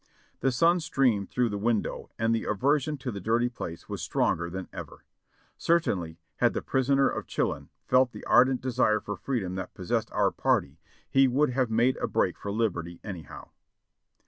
The sun streamed through the window and the aversion to the dirty place was stronger than ever. Certainly had the "Prisoner of Chillon" felt the ardent desire for freedom that possessed our party, he would have made a break for liberty anyhow.